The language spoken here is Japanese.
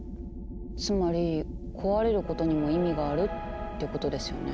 つまり壊れることにも意味があるってことですよね。